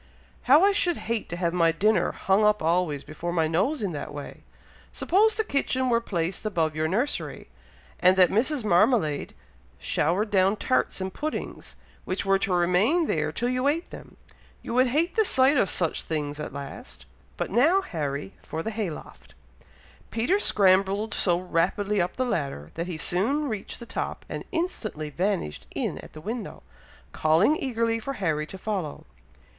"How I should hate to have my dinner hung up always before my nose in that way! Suppose the kitchen were placed above your nursery, and that Mrs. Marmalade showered down tarts and puddings, which were to remain there till you ate them, you would hate the sight of such things at last. But now, Harry, for the hay loft." Peter scrambled so rapidly up the ladder, that he soon reached the top, and instantly vanished in at the window, calling eagerly for Harry to follow.